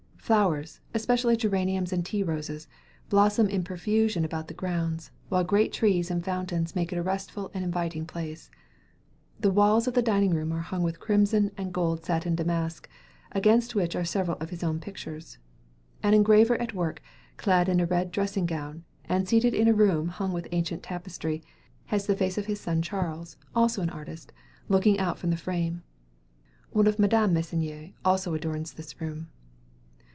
Flowers, especially geraniums and tea roses, blossom in profusion about the grounds, while great trees and fountains make it a restful and inviting place. The walls of the dining room are hung with crimson and gold satin damask, against which are several of his own pictures. An engraver at work, clad in a red dressing gown, and seated in a room hung with ancient tapestry, has the face of his son Charles, also an artist, looking out from the frame. One of Madame Meissonier also adorns this room.